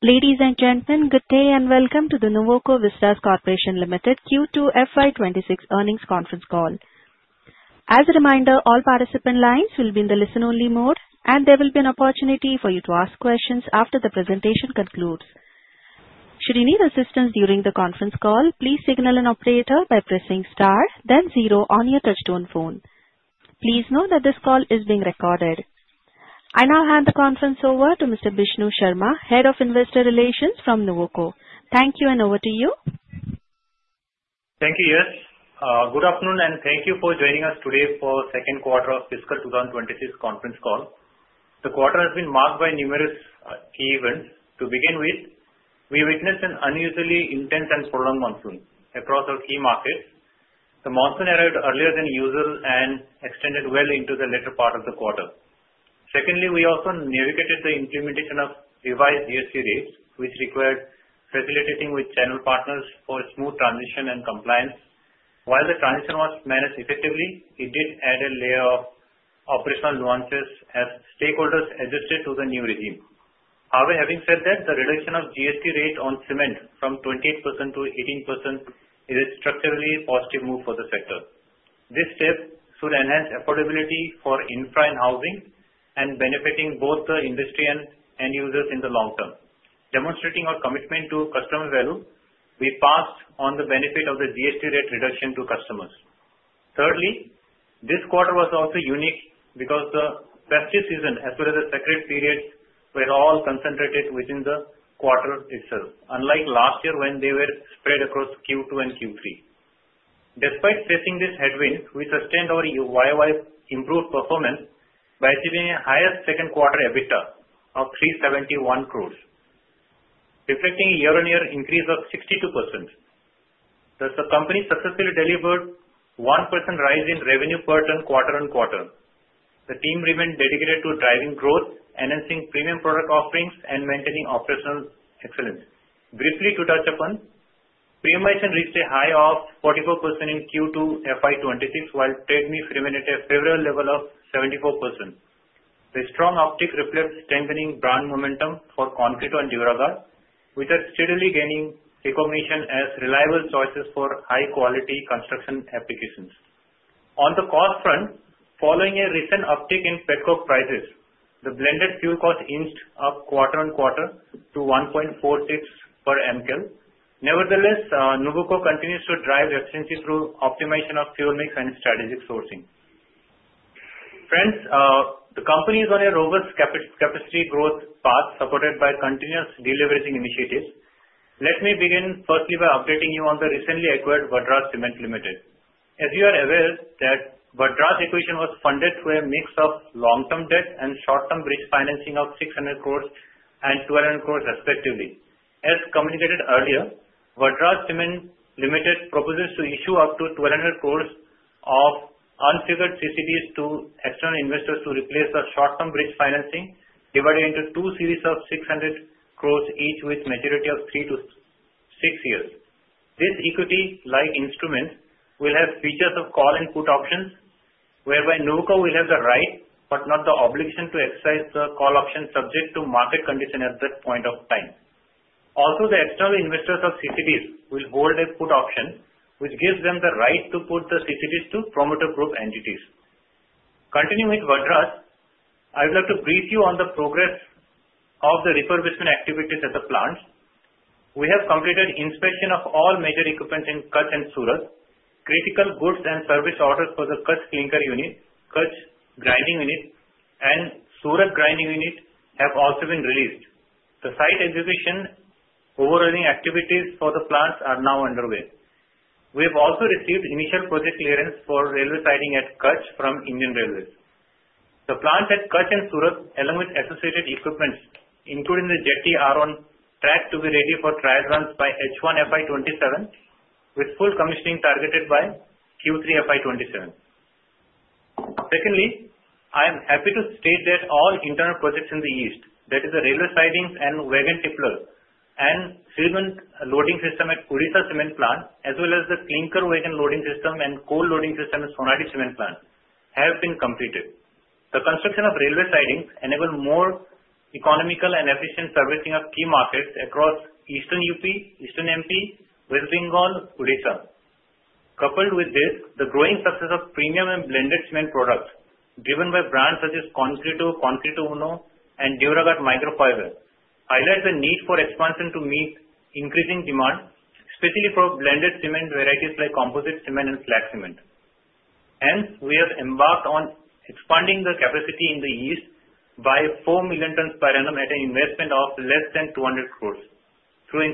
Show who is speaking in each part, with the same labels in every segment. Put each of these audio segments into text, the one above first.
Speaker 1: Ladies and gentlemen, good day and welcome to the Nuvoco Vistas Corporation Limited Q2 FY 2026 earnings conference call. As a reminder, all participant lines will be in the listen-only mode, and there will be an opportunity for you to ask questions after the presentation concludes. Should you need assistance during the conference call, please signal an operator by pressing star, then zero on your touch-tone phone. Please note that this call is being recorded. I now hand the conference over to Mr. Bishnu Sharma, Head of Investor Relations from Nuvoco. Thank you, and over to you.
Speaker 2: Thank you, yes. Good afternoon, and thank you for joining us today for the second quarter of fiscal 2026 conference call. The quarter has been marked by numerous key events. To begin with, we witnessed an unusually intense and prolonged monsoon across our key markets. The monsoon arrived earlier than usual and extended well into the later part of the quarter. Secondly, we also navigated the implementation of revised GST rates, which required facilitating with channel partners for a smooth transition and compliance. While the transition was managed effectively, it did add a layer of operational nuances as stakeholders adjusted to the new regime. However, having said that, the reduction of GST rate on cement from 28% to 18% is a structurally positive move for the sector. This step should enhance affordability for infrastructure and housing, benefiting both the industry and end users in the long term. Demonstrating our commitment to customer value, we passed on the benefit of the GST rate reduction to customers. Thirdly, this quarter was also unique because the festive season, as well as the sacred periods, were all concentrated within the quarter itself, unlike last year when they were spread across Q2 and Q3. Despite facing these headwinds, we sustained our YoY improved performance by achieving a higher second quarter EBITDA of 371 crore, reflecting a year-on-year increase of 62%. The company successfully delivered a 1% rise in revenue per ton quarter-on-quarter. The team remained dedicated to driving growth, enhancing premium product offerings, and maintaining operational excellence. Briefly, to touch upon, premiumization reached a high of 44% in Q2 FY 2026, while trade mix remained at a favorable level of 74%. The strong uptick reflects strengthening brand momentum for Concreto and Duraguard, which are steadily gaining recognition as reliable choices for high-quality construction applications. On the cost front, following a recent uptick in petcoke prices, the blended fuel costs inched up quarter-on-quarter to 1.46 per Mcal. Nevertheless, Nuvoco continues to drive efficiency through optimization of fuel mix and strategic sourcing. Friends, the company is on a robust capacity growth path supported by continuous de-leveraging initiatives. Let me begin firstly by updating you on the recently acquired Vadraj Cement Limited. As you are aware, Vadraj acquisition was funded through a mix of long-term debt and short-term bridge financing of 600 crore and 1,200 crore respectively. As communicated earlier, Vadraj Cement Limited proposes to issue up to 1,200 crore of unsecured CCDs to external investors to replace the short-term bridge financing, divided into two series of 600 crore each with a maturity of three to six years. This equity-like instrument will have features of call and put options, whereby Nuvoco will have the right but not the obligation to exercise the call option subject to market conditions at that point of time. Also, the external investors of CCDs will hold a put option, which gives them the right to put the CCDs to promoter group entities. Continuing with Vadraj, I would like to brief you on the progress of the refurbishment activities at the plant. We have completed inspection of all major equipment in Kutch and Surat. Critical goods and services orders for the Kutch clinker unit, Kutch grinding unit, and Surat grinding unit have also been released. The site execution overriding activities for the plants are now underway. We have also received initial project clearance for railway siding at Kutch from Indian Railways. The plants at Kutch and Surat, along with associated equipment, including the jetty and a rail track, will be ready for trial runs by H1 FY 2027, with full commissioning targeted by Q3 FY 2027. Secondly, I am happy to state that all internal projects in the East, that is, the railway sidings and wagon tipplers and cement loading system at Odisha Cement Plant, as well as the clinker wagon loading system and coal loading system at Sonadih Cement Plant, have been completed. The construction of railway sidings enables more economical and efficient servicing of key markets across Eastern UP, Eastern MP, West Bengal, and Odisha. Coupled with this, the growing success of premium and blended cement products driven by brands such as Concreto, Concreto Uno, and Duraguard Microfiber highlights the need for expansion to meet increasing demand, especially for blended cement varieties like composite cement and slag cement. Hence, we have embarked on expanding the capacity in the East by 4 million tons per annum at an investment of less than 200 crore through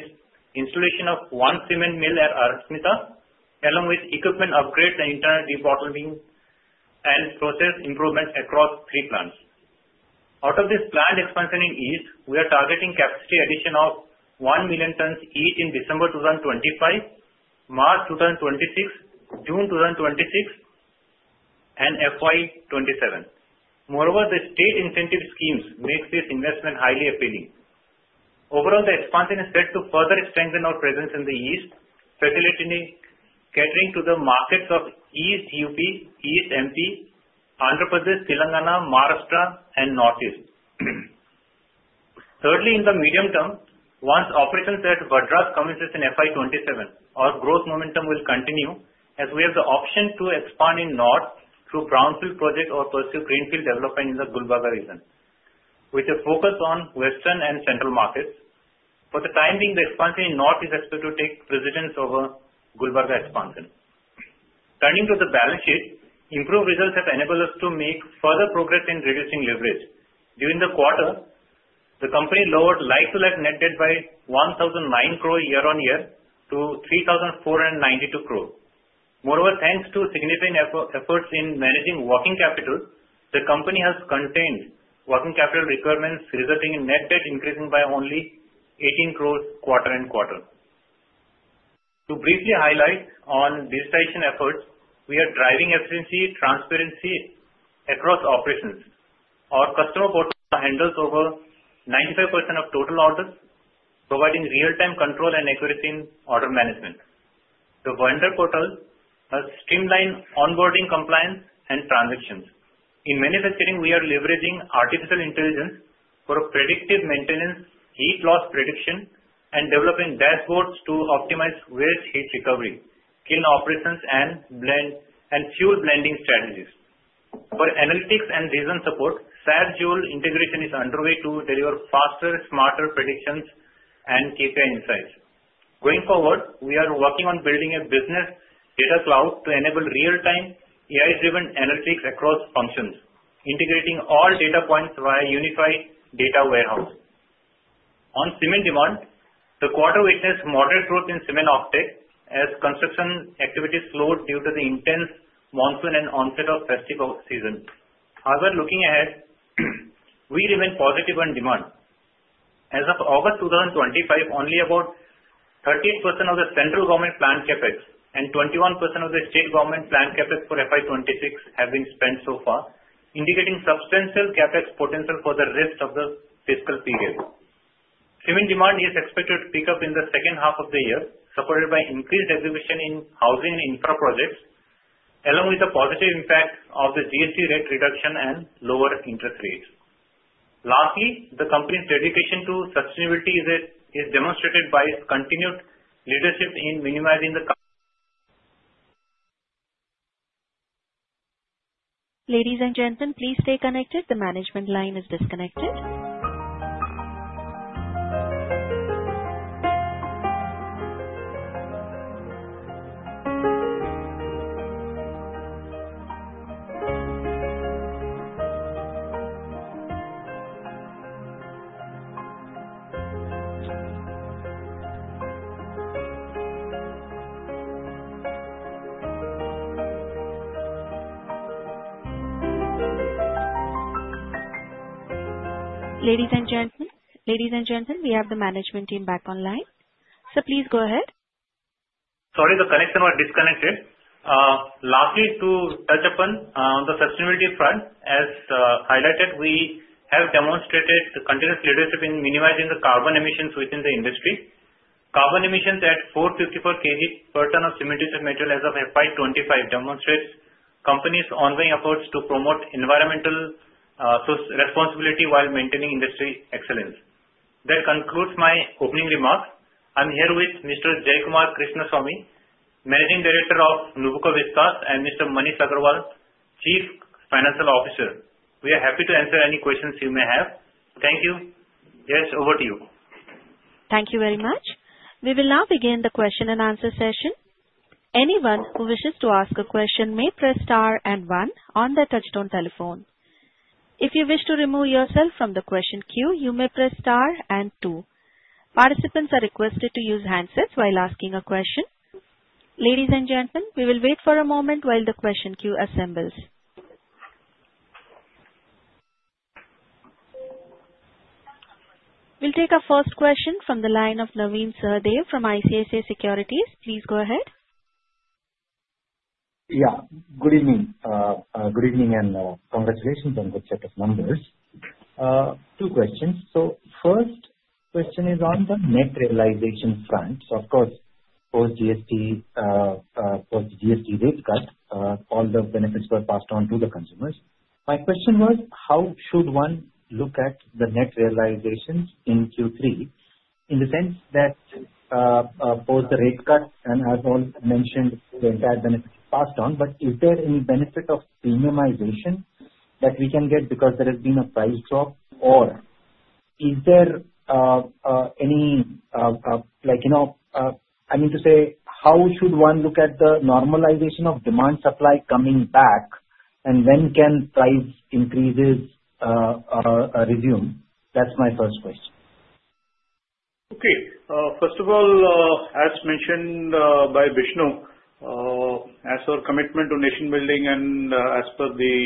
Speaker 2: installation of one cement mill at Arasmeta, along with equipment upgrades and internal debottling and process improvements across three plants. Out of this planned expansion in East, we are targeting capacity addition of 1 million tons each in December 2025, March 2026, June 2026, and FY 2027. Moreover, the state incentive schemes make this investment highly appealing. Overall, the expansion is set to further strengthen our presence in the East, facilitating catering to the markets of East UP, East MP, Andhra Pradesh, Telangana, Maharashtra, and Northeast. Thirdly, in the medium term, once operations at Vadraj commences in FY 2027, our growth momentum will continue as we have the option to expand in North through brownfield projects or pursue greenfield development in the Gulbarga region, with a focus on western and central markets. For the time being, the expansion in North is expected to take precedence over Gulbarga expansion. Turning to the balance sheet, improved results have enabled us to make further progress in reducing leverage. During the quarter, the company lowered like-for-like net debt by 1,009 crore year-on-year to 3,492 crore. Moreover, thanks to significant efforts in managing working capital, the company has contained working capital requirements, resulting in net debt increasing by only 18 crore quarter-on-quarter. To briefly highlight our digitization efforts, we are driving efficiency and transparency across operations. Our customer portal handles over 95% of total orders, providing real-time control and accuracy in order management. The vendor portal has streamlined onboarding compliance and transactions. In manufacturing, we are leveraging artificial intelligence for predictive maintenance, heat loss prediction, and developing dashboards to optimize waste heat recovery, clean operations, and fuel blending strategies. For analytics and reasoning support, SAP Joule integration is underway to deliver faster, smarter predictions and deeper insights. Going forward, we are working on building a business data cloud to enable real-time AI-driven analytics across functions, integrating all data points via unified data warehouse. On cement demand, the quarter witnessed moderate growth in cement uptake as construction activities slowed due to the intense monsoon and onset of festive season. However, looking ahead, we remain positive on demand. As of August 2025, only about 38% of the central government planned CapEx and 21% of the state government planned CapEx for FY 2026 have been spent so far, indicating substantial CapEx potential for the rest of the fiscal period. Cement demand is expected to pick up in the second half of the year, supported by increased execution in housing and infra projects, along with the positive impact of the GST rate reduction and lower interest rates. Lastly, the company's dedication to sustainability is demonstrated by its continued leadership in minimizing the.
Speaker 1: Ladies and gentlemen, please stay connected. The management line is disconnected. Ladies and gentlemen, ladies and gentlemen, we have the management team back online. So please go ahead.
Speaker 2: Sorry, the connection was disconnected. Lastly, to touch upon the sustainability front, as highlighted, we have demonstrated continuous leadership in minimizing the carbon emissions within the industry. Carbon emissions at 454 kg per ton of cement material as of FY 2025 demonstrate the company's ongoing efforts to promote environmental responsibility while maintaining industry excellence. That concludes my opening remarks. I'm here with Mr. Jayakumar Krishnaswamy, Managing Director of Nuvoco Vistas, and Mr. Maneesh Agrawal, Chief Financial Officer. We are happy to answer any questions you may have. Thank you. Yes, over to you.
Speaker 1: Thank you very much. We will now begin the question and answer session. Anyone who wishes to ask a question may press star and one on the touch-tone telephone. If you wish to remove yourself from the question queue, you may press star and two. Participants are requested to use handsets while asking a question. Ladies and gentlemen, we will wait for a moment while the question queue assembles. We'll take our first question from the line of Navin Sahadeo from ICICI Securities. Please go ahead.
Speaker 3: Yeah, good evening. Good evening and congratulations on the set of numbers. Two questions. So first question is on the net realization front. So of course, post-GST, post-GST rate cut, all the benefits were passed on to the consumers. My question was, how should one look at the net realization in Q3 in the sense that both the rate cut and, as I mentioned, the entire benefit passed on? But is there any benefit of premiumization that we can get because there has been a price drop? Or is there any—I mean to say, how should one look at the normalization of demand supply coming back, and when can price increases resume? That's my first question.
Speaker 4: Okay. First of all, as mentioned by Bishnu, as our commitment to nation building and as per the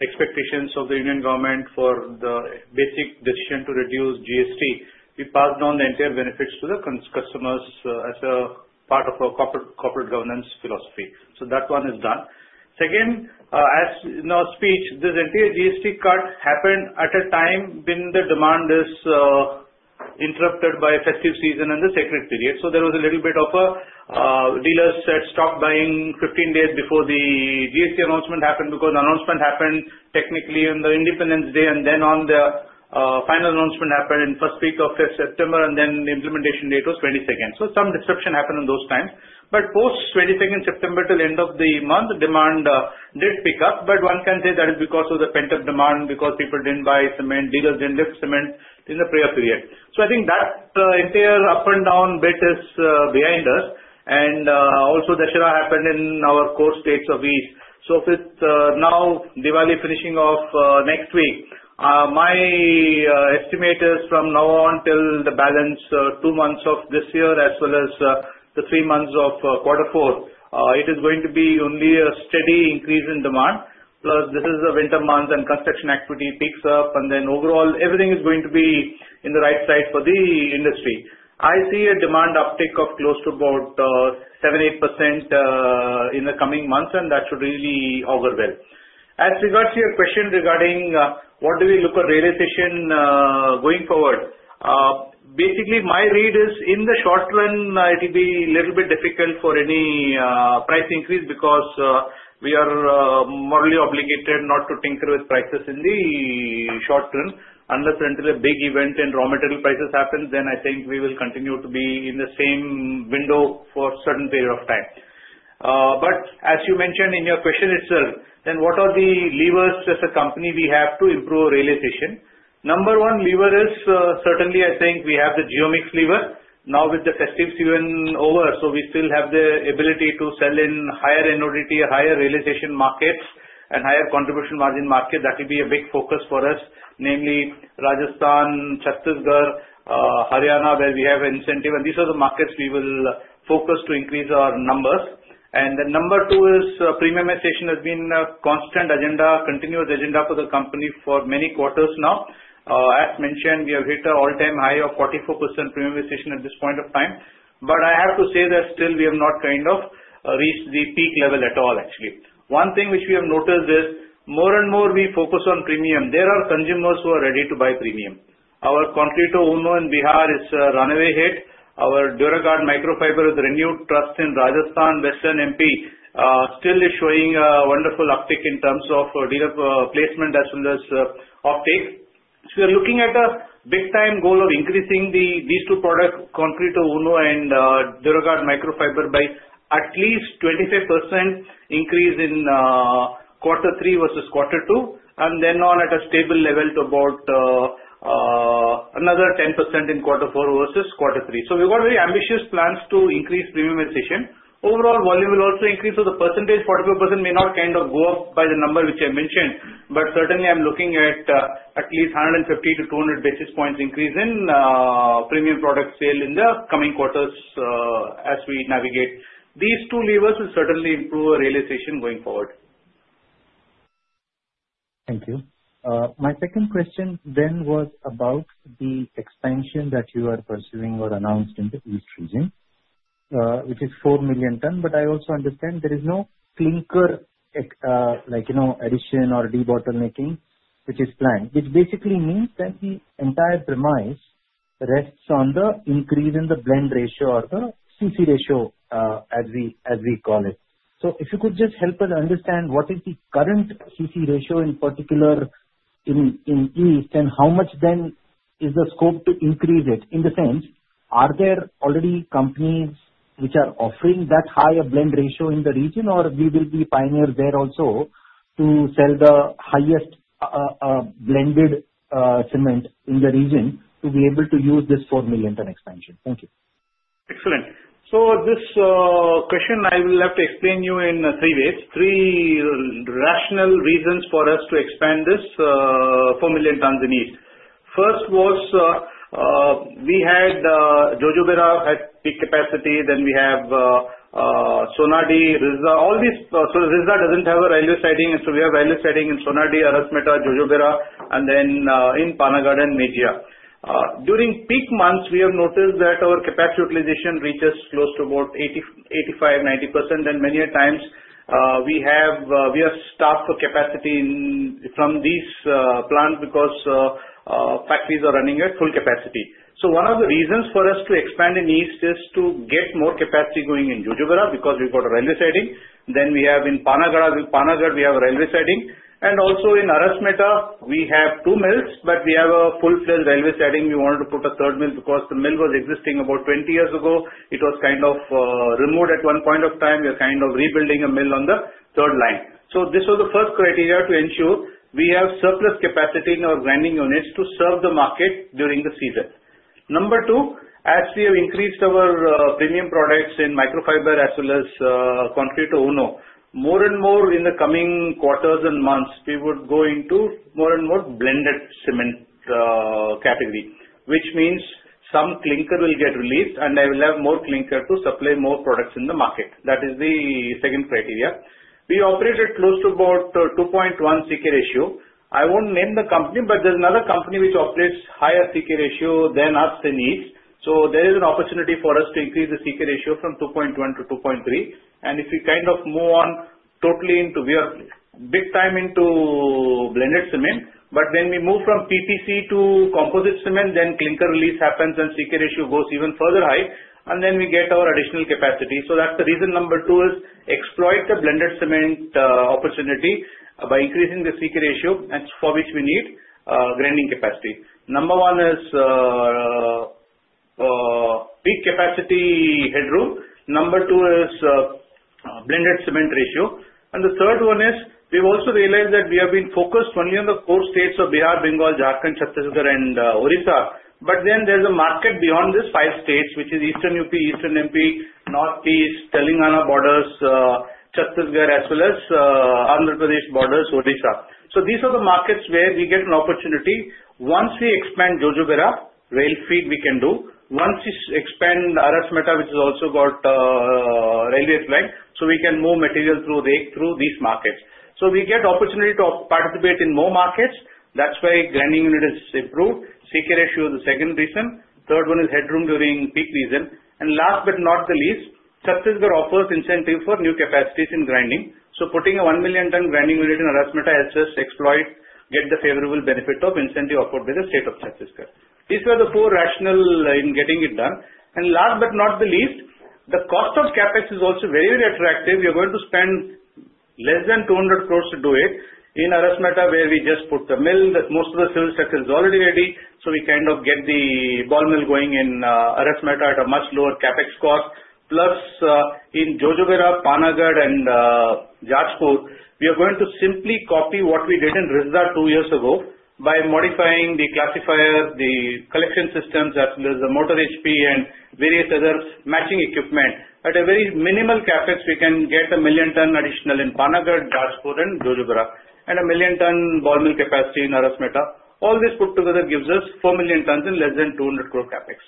Speaker 4: expectations of the Indian government for the basic decision to reduce GST, we passed on the entire benefits to the customers as a part of our corporate governance philosophy. So that one is done. Second, as in our speech, this entire GST cut happened at a time when the demand is interrupted by festive season and the sacred period. So there was a little bit of a dealers had stopped buying 15 days before the GST announcement happened because the announcement happened technically on the Independence Day, and then on the final announcement happened in the first week of September, and then the implementation date was the 22nd. So some disruption happened in those times. But post-22nd September till end of the month, demand did pick up. But one can say that is because of the pent-up demand because people didn't buy cement, dealers didn't lift cement in the prior period. So I think that entire up and down bit is behind us. And also, the shutdown happened in our core states of East. So with now Diwali finishing off next week, my estimate is from now on till the balance two months of this year, as well as the three months of quarter four, it is going to be only a steady increase in demand. Plus, this is the winter months and construction activity picks up, and then overall, everything is going to be in the right side for the industry. I see a demand uptick of close to about 7%, 8% in the coming months, and that should really augur well. As regards to your question regarding what do we look at realization going forward, basically my read is in the short run, it will be a little bit difficult for any price increase because we are morally obligated not to tinker with prices in the short term. Unless until a big event and raw material prices happen, then I think we will continue to be in the same window for a certain period of time. But as you mentioned in your question itself, then what are the levers as a company we have to improve realization? Number one lever is certainly, I think we have the geomix lever. Now with the festive season over, so we still have the ability to sell in higher NODT, higher realization markets, and higher contribution margin markets. That will be a big focus for us, namely Rajasthan, Chhattisgarh, Haryana, where we have incentive. These are the markets we will focus to increase our numbers. Then number two is premiumization has been a constant agenda, continuous agenda for the company for many quarters now. As mentioned, we have hit an all-time high of 44% premiumization at this point of time. But I have to say that still we have not kind of reached the peak level at all, actually. One thing which we have noticed is more and more we focus on premium. There are consumers who are ready to buy premium. Our Concreto Uno in Bihar is a runaway hit. Our Duraguard Microfiber with renewed trust in Rajasthan, Western MP, still is showing a wonderful uptick in terms of dealer placement as well as uptake. So we are looking at a big-time goal of increasing these two products, Concreto Uno and Duraguard Microfiber, by at least 25% increase in quarter three versus quarter two, and then on at a stable level to about another 10% in quarter four versus quarter three. So we've got very ambitious plans to increase premiumization. Overall, volume will also increase. So the percentage, 44%, may not kind of go up by the number which I mentioned, but certainly I'm looking at at least 150 to 200 basis points increase in premium product sale in the coming quarters as we navigate. These two levers will certainly improve realization going forward.
Speaker 3: Thank you. My second question then was about the expansion that you are pursuing or announced in the east region, which is four million tons. But I also understand there is no clinker addition or debottlenecking, which is planned. Which basically means that the entire premise rests on the increase in the blend ratio or the C/K ratio, as we call it. So if you could just help us understand what is the current C/K ratio in particular in East, and how much then is the scope to increase it? In the sense, are there already companies which are offering that higher blend ratio in the region, or we will be pioneers there also to sell the highest blended cement in the region to be able to use this four million ton expansion? Thank you.
Speaker 4: Excellent. So this question I will have to explain to you in three ways. Three rational reasons for us to expand this 4 million tons in East. First was we had Jojobera had peak capacity. Then we have Sonadih, Risda. All these, so Risda doesn't have a railway siding, and so we have railway siding in Sonadih, Arasmeta, Jojobera, and then in Panagarh and Mejia. During peak months, we have noticed that our capacity utilization reaches close to about 85%, 90%. And many times we have stopped capacity from these plants because factories are running at full capacity. So one of the reasons for us to expand in East is to get more capacity going in Jojobera because we've got a railway siding. Then we have in Panagarh, Panagarh, we have a railway siding. And also in Arasmeta, we have two mills, but we have a full-fledged railway siding. We wanted to put a third mill because the mill was existing about 20 years ago. It was kind of removed at one point of time. We are kind of rebuilding a mill on the third line. So this was the first criteria to ensure we have surplus capacity in our grinding units to serve the market during the season. Number two, as we have increased our premium products in microfiber as well as Concreto Uno, more and more in the coming quarters and months, we would go into more and more blended cement category, which means some clinker will get released, and they will have more clinker to supply more products in the market. That is the second criteria. We operated close to about 2.1 C/K ratio. I won't name the company, but there's another company which operates higher C/K ratio than us in East. There is an opportunity for us to increase the C/K ratio from 2.1 to 2.3. If we kind of move on totally into big time into blended cement, but then we move from PPC to composite cement, then clinker release happens and C/K ratio goes even further high, and then we get our additional capacity. That's the reason. Number two is exploit the blended cement opportunity by increasing the C/K ratio, for which we need grinding capacity. Number one is peak capacity headroom. Number two is blended cement ratio. The third one is we've also realized that we have been focused only on the four states of Bihar, Bengal, Jharkhand, Chhattisgarh, and Odisha. But then there's a market beyond these five states, which is Eastern UP, Eastern MP, Northeast, Telangana borders, Chhattisgarh, as well as Andhra Pradesh borders, Odisha. So these are the markets where we get an opportunity. Once we expand Jojobera, rail freight we can do. Once we expand Arasmeta, which has also got railway freight, so we can move material through rake through these markets. So we get opportunity to participate in more markets. That's why grinding unit is important. CK ratio is the second reason. Third one is headroom during peak season. And last but not the least, Chhattisgarh offers incentive for new capacities in grinding. So putting a one million ton grinding unit in Arasmeta has just exploited to get the favorable benefit of incentive offered by the state of Chhattisgarh. These were the four rationales in getting it done. And last but not the least, the cost of CapEx is also very, very attractive. We are going to spend less than 200 crore to do it in Arasmeta, where we just put the mill. Most of the civil sector is already ready, so we kind of get the ball mill going in Arasmeta at a much lower CapEx cost. Plus, in Jojobera, Panagarh, and Jharkhand, we are going to simply copy what we did in Risda two years ago by modifying the classifier, the collection systems, as well as the motor HP and various other matching equipment. At a very minimal CapEx, we can get a million ton additional in Panagarh, Jharkhand, and Jojobera, and a million ton ball mill capacity in Arasmeta. All this put together gives us 4 million tons and less than 200 crore CapEx.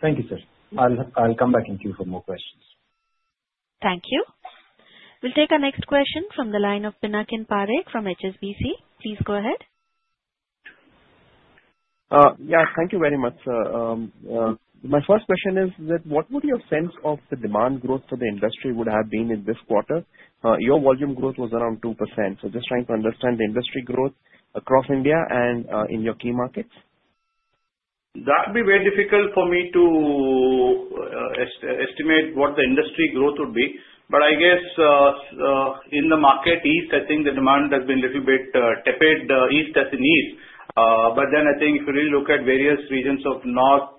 Speaker 3: Thank you, sir. I'll come back and queue for more questions.
Speaker 1: Thank you. We'll take our next question from the line of Pinakin Parekh from HSBC. Please go ahead.
Speaker 5: Yeah, thank you very much. My first question is that what would your sense of the demand growth for the industry would have been in this quarter? Your volume growth was around 2%. So just trying to understand the industry growth across India and in your key markets.
Speaker 4: That would be very difficult for me to estimate what the industry growth would be. But I guess in the market, East, I think the demand has been a little bit tepid, East, as in East. But then I think if you really look at various regions of North,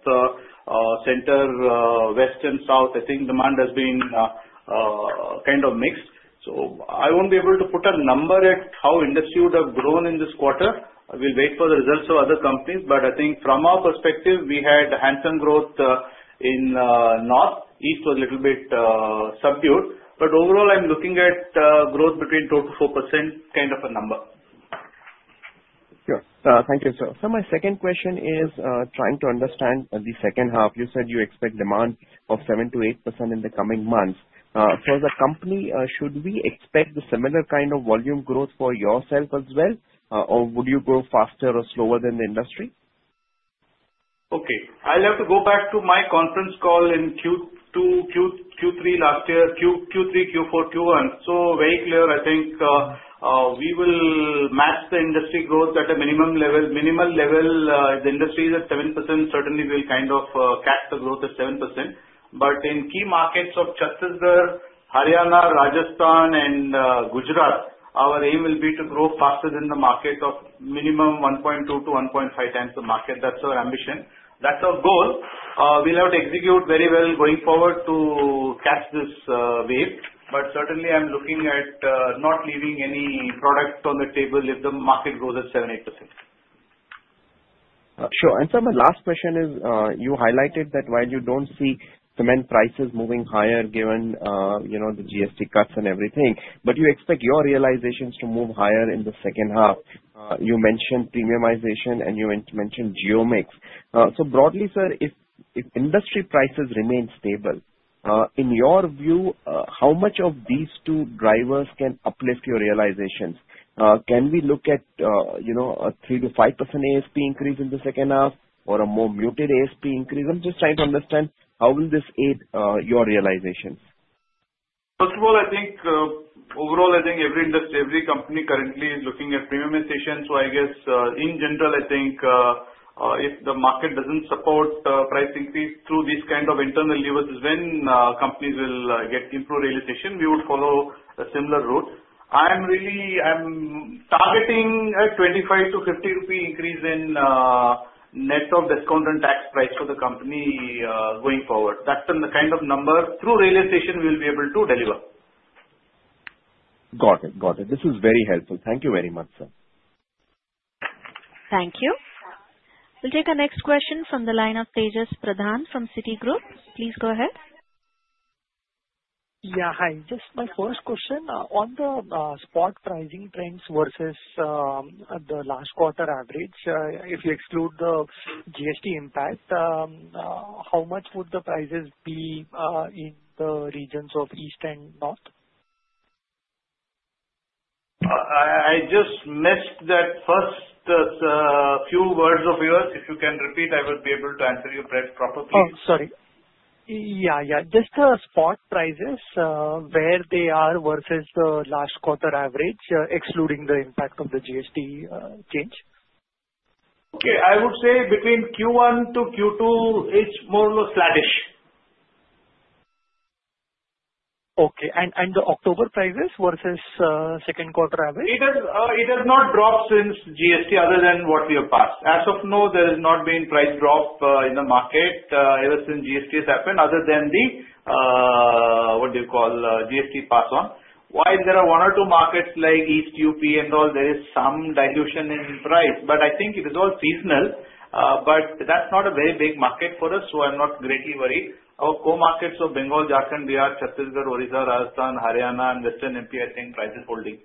Speaker 4: Central, West, and South, I think demand has been kind of mixed. So I won't be able to put a number at how industry would have grown in this quarter. We'll wait for the results of other companies. But I think from our perspective, we had handsome growth in North. East was a little bit subdued. But overall, I'm looking at growth between 2%-4%, kind of a number.
Speaker 5: Sure. Thank you, sir. So my second question is trying to understand the second half. You said you expect demand of 7%-8% in the coming months. For the company, should we expect the similar kind of volume growth for yourself as well, or would you grow faster or slower than the industry?
Speaker 4: Okay. I'll have to go back to my conference call in Q2, Q3 last year, Q3, Q4, Q1. So very clear, I think we will match the industry growth at a minimal level. The industry is at 7%. Certainly, we'll kind of catch the growth at 7%. But in key markets of Chhattisgarh, Haryana, Rajasthan, and Gujarat, our aim will be to grow faster than the market of minimum 1.2x-1.5xthe market. That's our ambition. That's our goal. We'll have to execute very well going forward to catch this wave. But certainly, I'm looking at not leaving any product on the table if the market grows at 7%, 8%.
Speaker 5: Sure, and so my last question is you highlighted that while you don't see cement prices moving higher given the GST cuts and everything, but you expect your realizations to move higher in the second half. You mentioned premiumization, and you mentioned geomix. So broadly, sir, if industry prices remain stable, in your view, how much of these two drivers can uplift your realizations? Can we look at a 3%-5% ASP increase in the second half or a more muted ASP increase? I'm just trying to understand how will this aid your realizations?
Speaker 4: First of all, I think overall, I think every industry, every company currently is looking at premiumization. So I guess in general, I think if the market doesn't support price increase through these kind of internal levers, then companies will get improved realization. We would follow a similar route. I'm targeting an 25-50 rupee increase in net of discount and tax price for the company going forward. That's the kind of number through realization we'll be able to deliver.
Speaker 5: Got it. Got it. This is very helpful. Thank you very much, sir.
Speaker 1: Thank you. We'll take our next question from the line of Tejas Pradhan from Citigroup. Please go ahead.
Speaker 6: Yeah, hi. Just my first question. On the spot pricing trends versus the last quarter average, if you exclude the GST impact, how much would the prices be in the regions of East and North?
Speaker 4: I just missed that first few words of yours. If you can repeat, I will be able to answer you properly.
Speaker 6: Oh, sorry. Yeah, yeah. Just the spot prices, where they are versus the last quarter average, excluding the impact of the GST change.
Speaker 4: Okay. I would say between Q1 to Q2, it's more or less flat-ish.
Speaker 6: Okay, and the October prices versus second quarter average?
Speaker 4: It has not dropped since GST, other than what we have passed. As of now, there has not been price drop in the market ever since GST has happened, other than the, what do you call, GST pass-on. While there are one or two markets like East UP and all, there is some dilution in price. But I think it is all seasonal. But that's not a very big market for us, so I'm not greatly worried. Our core markets of Bengal, Jharkhand, Bihar, Chhattisgarh, Orissa, Rajasthan, Haryana, and Western MP, I think price is holding.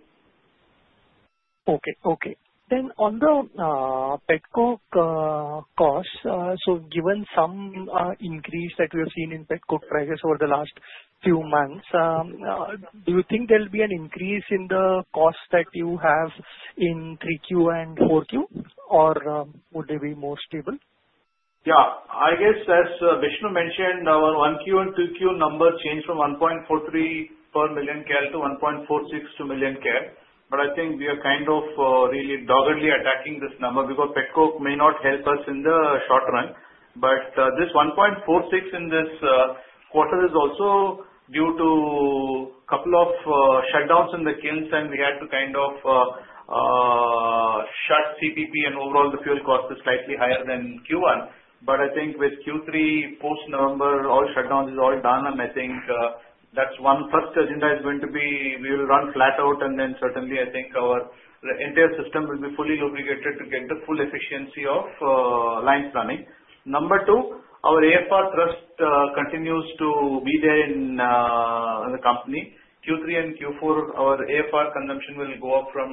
Speaker 6: Okay, okay. Then on the petcoke costs, so given some increase that we have seen in petcoke prices over the last few months, do you think there'll be an increase in the cost that you have in 3Q and 4Q, or would they be more stable?
Speaker 4: Yeah. I guess as Bishnu mentioned, our 1Q and 2Q numbers changed from 1.43 per million kcal to 1.46 per million kcal. But I think we are kind of really doggedly attacking this number because petcoke may not help us in the short run. But this 1.46 in this quarter is also due to a couple of shutdowns in the kilns, and we had to kind of shut CPP, and overall, the fuel cost is slightly higher than Q1. But I think with Q3, post-November, all shutdowns is all done, and I think that's one first agenda is going to be we will run flat out, and then certainly, I think our entire system will be fully lubricated to get the full efficiency of line planning. Number two, our AFR thrust continues to be there in the company. Q3 and Q4, our AFR consumption will go up from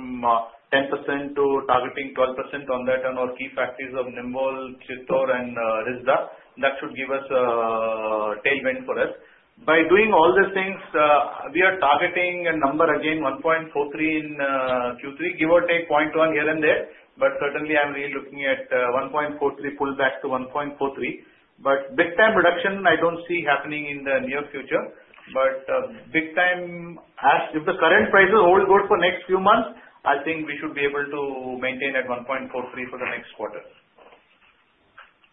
Speaker 4: 10% to targeting 12% on that on our key factories of Nimbol, Chittor, and Risda. That should give us a tailwind for us. By doing all these things, we are targeting a number again, 1.43 in Q3, give or take 0.1 here and there. But certainly, I'm really looking at 1.43 pullback to 1.43. But big-time reduction, I don't see happening in the near future. But big-time, if the current prices hold good for the next few months, I think we should be able to maintain at 1.43 for the next quarter.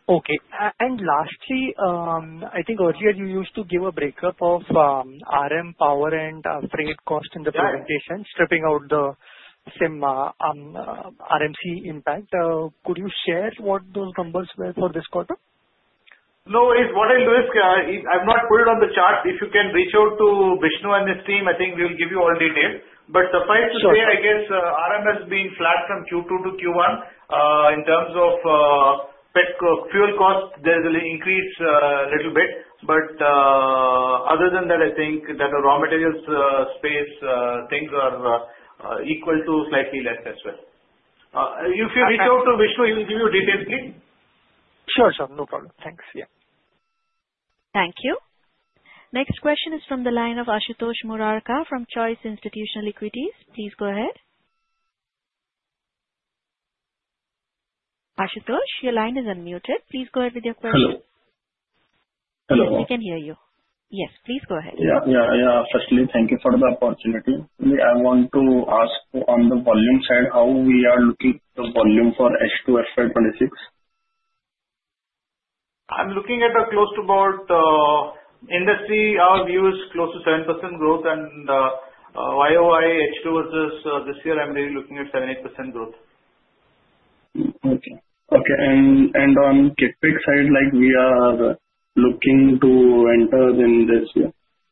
Speaker 6: Okay. And lastly, I think earlier you used to give a breakup of RM power and freight cost in the presentation, stripping out the same RMC impact. Could you share what those numbers were for this quarter?
Speaker 4: No, what I'll do is I've not put it on the chart. If you can reach out to Bishnu and his team, I think we'll give you all details. But suffice to say, I guess RM has been flat from Q2 to Q1. In terms of petcoke fuel cost, there's an increase a little bit. But other than that, I think that the raw materials space, things are equal to slightly less as well. If you reach out to Bishnu, he'll give you details, please.
Speaker 6: Sure, sure. No problem. Thanks. Yeah.
Speaker 1: Thank you. Next question is from the line of Ashutosh Murarka from Choice Institutional Equities. Please go ahead. Ashutosh, your line is unmuted. Please go ahead with your question.
Speaker 7: Hello.
Speaker 4: Hello.
Speaker 1: We can hear you. Yes, please go ahead.
Speaker 7: Firstly, thank you for the opportunity. I want to ask on the volume side how we are looking at the volume for H2 FY 2026?
Speaker 4: I'm looking at close to about industry. Our view is close to 7% growth, and YoY H2 versus this year, I'm really looking at 7%-8% growth.
Speaker 7: Okay. Okay, and on CapEx side, we are looking to enter in this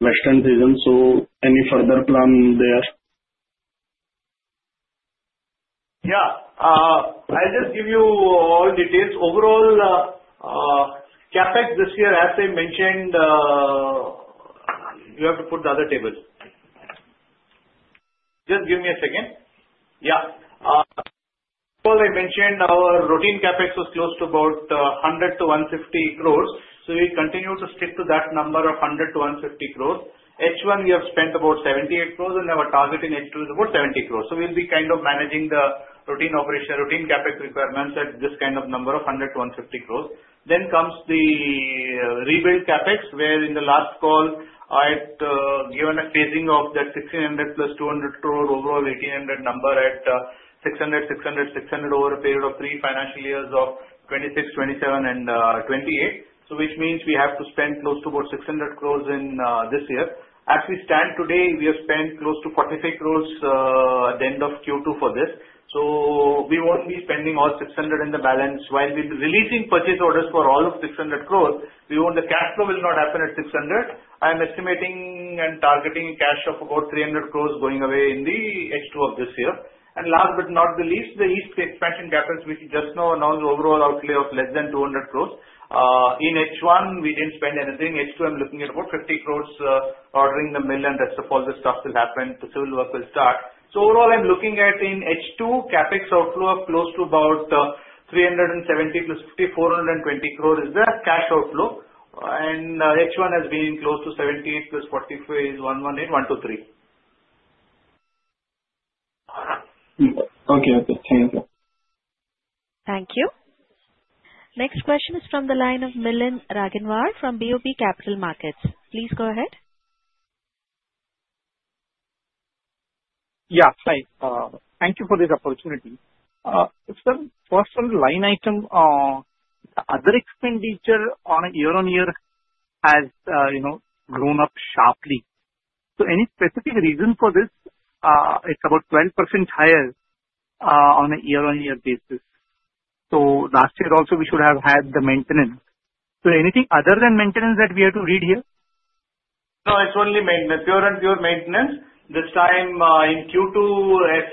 Speaker 7: Western region, so any further plan there?
Speaker 4: Yeah. I'll just give you all details. Overall, CapEx this year, as I mentioned, you have to put the other tables. Just give me a second. Yeah. As I mentioned, our routine CapEx was close to about 100 to 150 crore. So we continue to stick to that number of 100 to 150 crore. H1, we have spent about 78 crore, and our target in H2 is about 70 crore. So we'll be kind of managing the routine operation, routine CapEx requirements at this kind of number of 100 to 150 crore. Then comes the rebuild CapEx, where in the last call, I had given a phasing of that 1600 plus 200 crore, overall 1800 number at 600, 600, 600 over a period of three financial years of 2026, 2027, and 2028. So which means we have to spend close to about 600 crore in this year. As we stand today, we have spent close to 43 crore at the end of Q2 for this. So we won't be spending all 600 in the balance. While we're releasing purchase orders for all of 600 crore, we want the cash flow will not happen at 600. I'm estimating and targeting a cash of about 300 crore going away in the H2 of this year. And last but not the least, the east expansion CapEx, which just now announced overall outlay of less than 200 crore. In H1, we didn't spend anything. H2, I'm looking at about 50 crore ordering the mill, and rest of all this stuff will happen. The civil work will start. So overall, I'm looking at in H2, CapEx outflow of close to about 370 plus 50, 420 crore is the cash outflow. And H1 has been close to 78 plus 45 is 118, 123.
Speaker 7: Okay. Okay. Thank you.
Speaker 1: Thank you. Next question is from the line of Milind Raginwar from BOB Capital Markets. Please go ahead.
Speaker 8: Yeah, hi. Thank you for this opportunity. Sir, first of all, the line item, the other expenditure on a year-on-year has grown up sharply. So any specific reason for this? It's about 12% higher on a year-on-year basis. So last year also, we should have had the maintenance. So anything other than maintenance that we have to read here?
Speaker 4: No, it's only maintenance. Pure and pure maintenance. This time in Q2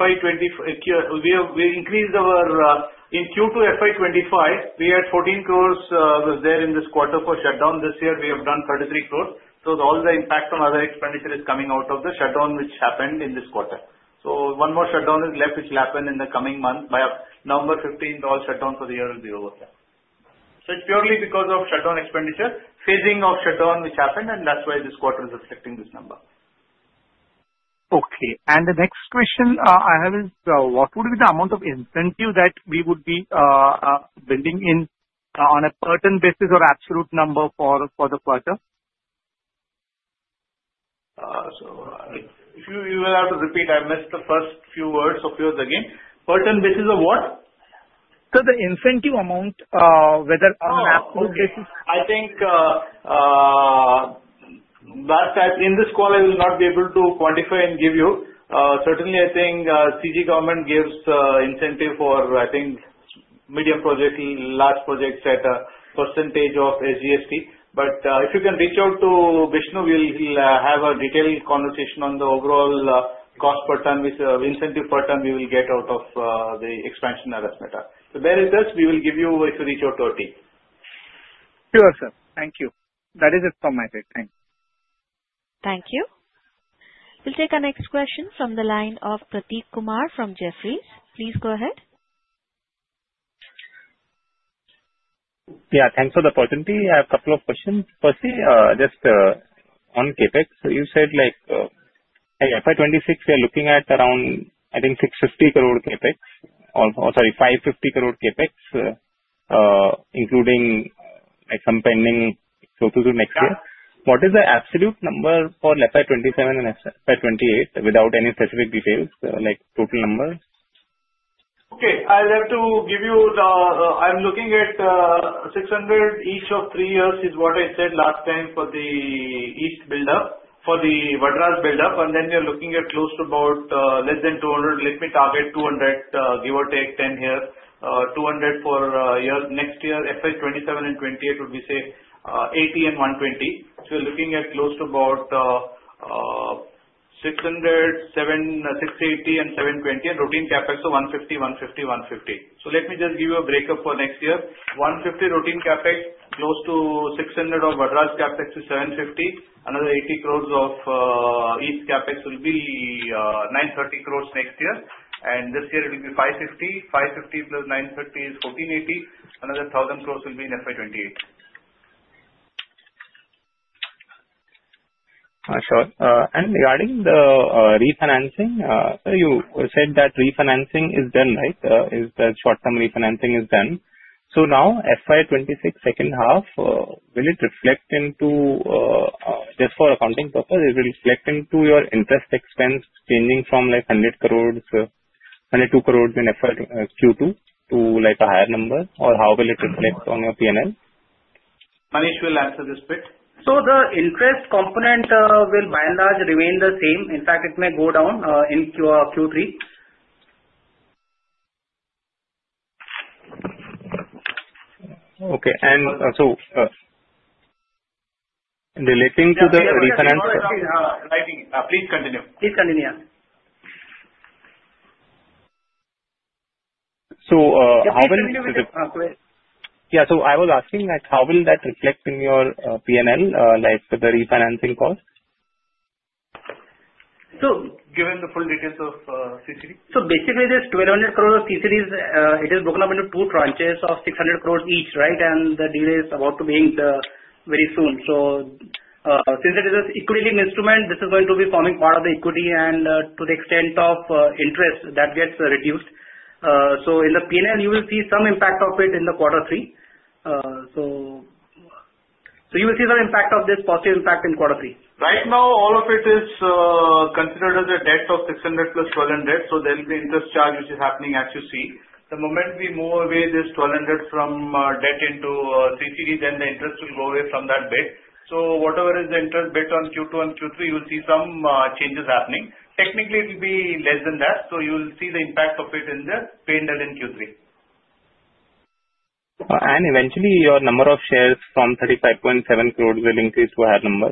Speaker 4: FY 2025, we increased our in Q2 FY 2025, we had 14 crore that was there in this quarter for shutdown. This year, we have done 33 crore. So all the impact on other expenditure is coming out of the shutdown which happened in this quarter. So one more shutdown is left, which will happen in the coming month. By November 15th, all shutdown for the year will be over. So it's purely because of shutdown expenditure, phasing of shutdown which happened, and that's why this quarter is reflecting this number.
Speaker 8: Okay. And the next question I have is, what would be the amount of incentive that we would be blending in on a per ton basis or absolute number for the quarter?
Speaker 4: So you will have to repeat. I missed the first few words of yours again. Per ton basis of what?
Speaker 8: So the incentive amount, whether on an absolute basis.
Speaker 4: I think in this call, I will not be able to quantify and give you. Certainly, I think Chhattisgarh government gives incentive for, I think, medium, large projects at a percentage of SGST. But if you can reach out to Bishnu, we'll have a detailed conversation on the overall cost per ton with incentive per ton we will get out of the expansion Arasmeta. So bear with us. We will give you if you reach out to our team.
Speaker 8: Sure, sir. Thank you. That is it from my side. Thanks.
Speaker 1: Thank you. We'll take our next question from the line of Prateek Kumar from Jefferies. Please go ahead.
Speaker 9: Yeah. Thanks for the opportunity. I have a couple of questions. Firstly, just on CapEx, you said like FY 2026, we are looking at around, I think, 650 crore CapEx or, sorry, 550 crore CapEx, including some pending stuff to do next year. What is the absolute number for FY 2027 and FY 2028 without any specific details, like total number?
Speaker 4: Okay. I'll have to give you the. I'm looking at 600 crore each of three years is what I said last time for the East buildup, for the Vadraj buildup. And then you're looking at close to about less than 200. Let me target 200, give or take 10 crore here, 200 crore for next year. FY 2027 and 2028 would be say 80 crore and 120 crore. So we're looking at close to about 680 crore and 720 crore, and routine CapEx of 150 crore, 150 crore, 150 crore. So let me just give you a breakup for next year. 150 crore routine CapEx, close to 600 crore of Vadraj CapEx is 750. Another 80 crore of East CapEx will be 930 crore next year. And this year, it will be 550. 550 plus 930 is 1480. Another 1000 crore will be in FY28.
Speaker 9: Sure. And regarding the refinancing, you said that refinancing is done, right? The short-term refinancing is done. So now, FY 2026 second half, will it reflect into just for accounting purposes, will it reflect into your interest expense changing from like 100 crore, 102 crore in FY 2025 Q2 to like a higher number, or how will it reflect on your P&L?
Speaker 4: Maneesh will answer this bit.
Speaker 10: So the interest component will by and large remain the same. In fact, it may go down in Q3.
Speaker 9: Okay, and so relating to the refinance.
Speaker 4: Sorry, sorry. Please continue.
Speaker 10: Please continue, yeah.
Speaker 9: How will?
Speaker 4: Yeah, continue.
Speaker 9: Yeah. So I was asking how will that reflect in your P&L, like the refinancing cost?
Speaker 4: So given the full details of CCD?
Speaker 10: Basically, this 1,200 crore of CCD, it is broken up into two tranches of 600 crore each, right? The deal is about to be inked very soon. Since it is an equity-linked instrument, this is going to be forming part of the equity, and to the extent of interest, that gets reduced. In the P&L, you will see some impact of it in the quarter three. You will see some impact of this positive impact in quarter three.
Speaker 4: Right now, all of it is considered as a debt of 600 plus 1,200. So there will be interest charge which is happening as you see. The moment we move away this 1,200 from debt into CCD, then the interest will go away from that bit. So whatever is the interest bit on Q2 and Q3, you will see some changes happening. Technically, it will be less than that. So you will see the impact of it in the P&L in Q3.
Speaker 9: Eventually, your number of shares from 35.7 crore will increase to a higher number?